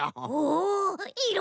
おいろ